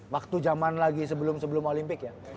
waktu jaman lagi sebelum sebelum olimpik ya